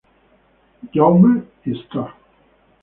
Jaume y Sta.